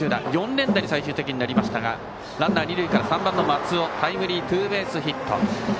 ４連打に最終的になりますがランナー、二塁から３番の松尾のタイムリーツーベースヒット。